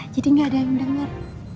jadi gak ada yang denger